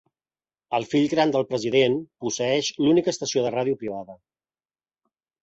El fill gran del president posseeix l'única estació de ràdio privada.